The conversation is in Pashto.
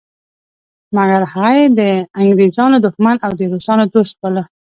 مګر هغه یې د انګریزانو دښمن او د روسانو دوست باله.